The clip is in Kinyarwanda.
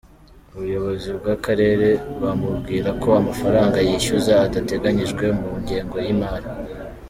Ubuyobozi bw’akarere bumubwira ko amafaranga yishyuza adateganyijwe mu ngengo y’imari.